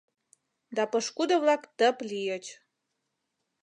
Да пошкудо-влак тып лийыч